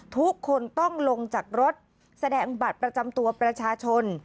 ทุกคนต้องลงจากรถแสดงบัตรประจำตัวประชาชน